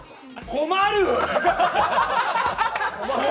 困る。